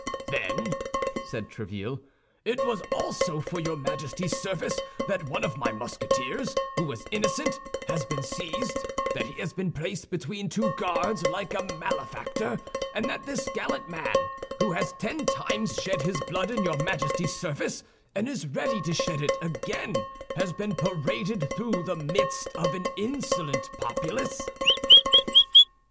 "Then," said Tréville, "it was also for your Majesty's service that one of my Musketeers, who was innocent, has been seized, that he has been placed between two guards like a malefactor, and that this gallant man, who has ten times shed his blood in your Majesty's service and is ready to shed it again, has been paraded through the midst of an insolent populace?"